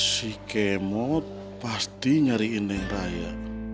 si kemot pasti nyariin yang raya